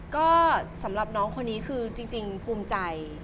ก็สำหรับน้องคนนี้คือจริงภูมิใจ